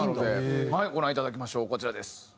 いご覧いただきましょうこちらです。